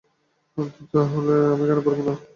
তাহলে আমি কেন পারবো না?